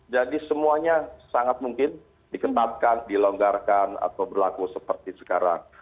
jadi semuanya sangat mungkin diketatkan dilonggarkan atau berlaku seperti sekarang